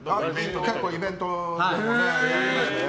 結構イベントやりましたよ。